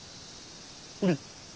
ほれ。